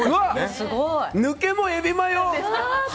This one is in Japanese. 抜けもエビマヨ！